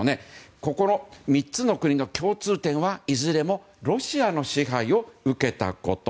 ここの３つの国の共通点はいずれもロシアの支配を受けたこと。